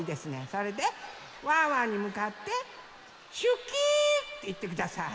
それでワンワンにむかって「ちゅき」っていってください！